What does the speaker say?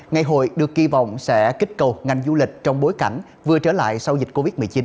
ngày hội được kỳ vọng sẽ kích cầu ngành du lịch trong bối cảnh vừa trở lại sau dịch covid một mươi chín